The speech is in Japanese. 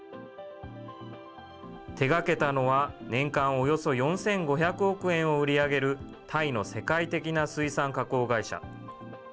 手がけたのは、年間およそ４５００億円を売り上げる、タイの世界的な水産加工会社。